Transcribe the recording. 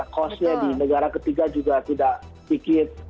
cost nya di negara ketiga juga tidak sedikit